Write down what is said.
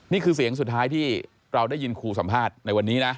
นี่คือเสียงสุดท้ายที่เราได้ยินครูสัมภาษณ์ในวันนี้นะ